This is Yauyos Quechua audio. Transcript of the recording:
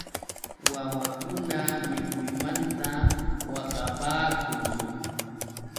Wawakuna mikuymanta waqapaakun.